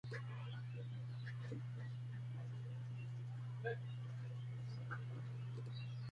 তিনি national academy of সায়েন্সেসের সদস্য ছিলেন।